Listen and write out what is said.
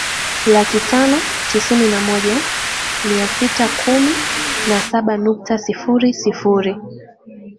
laki tano tisini na moja mia sita kumi na saba nukta sifuri sifuri